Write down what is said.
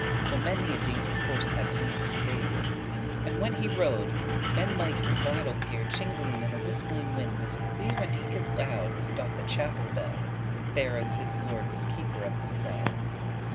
Full many a dainty horse had he in stable: And when he rode, men might his bridle hear Jingeling <15> in a whistling wind as clear, And eke as loud, as doth the chapel bell, There as this lord was keeper of the cell.